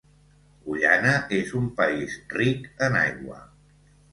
Guyana és un país ric en aigua.